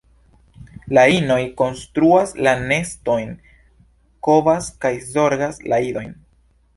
La inoj konstruas la nestojn, kovas kaj zorgas la idojn.